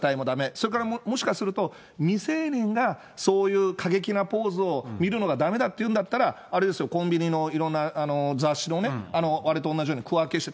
それからもしかすると、未成年がそういう過激なポーズを見るのがだめだっていうんだったら、あれですよ、コンビニのいろんな雑誌のあれと同じように区分けして。